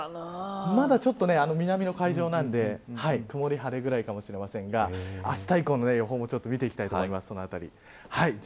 まだ南の海上なんで曇晴れくらいかもしれませんがあした以降の予報も見ていきます。